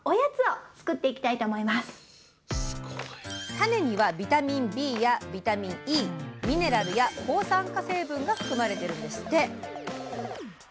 種にはビタミンＢやビタミンＥミネラルや抗酸化成分が含まれてるんですって！